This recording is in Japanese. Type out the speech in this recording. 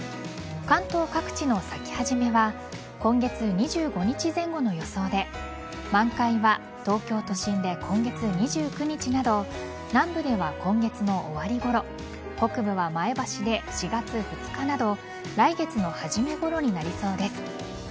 関東各地の咲き始めは今月２５日前後の予想で満開は東京都心で今月２９日など南部では今月の終わりごろ北部は前橋で４月２日など来月の初めごろになりそうです。